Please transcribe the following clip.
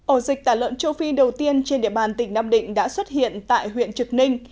ổ dịch tả lợn châu phi đầu tiên trên địa bàn tỉnh nam định đã xuất hiện tại huyện trực ninh